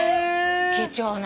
貴重な。